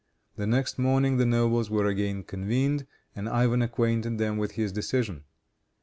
The next morning the nobles were again convened, and Ivan acquainted them with his decision.